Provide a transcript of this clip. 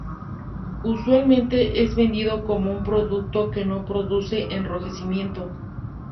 Usualmente es vendido como un producto que no produce enrojecimiento.